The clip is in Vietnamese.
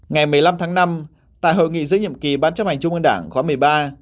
ngày một mươi năm tháng năm tại hội nghị giữ nhiệm kỳ bán chấp hành chung quân đảng khóa một mươi ba